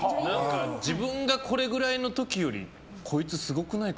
自分がこれぐらいの時よりこいつ、すごくないか？